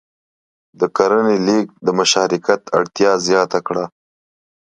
د کرنې لېږد د مشارکت اړتیا زیاته کړه.